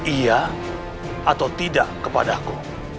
iya atau tidak kepadaku